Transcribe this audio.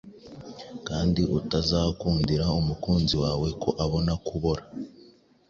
kandi utazakundira umukunzi wawe ko abona kubora.”